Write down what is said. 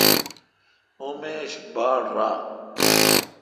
اوں میش باڑ ران۔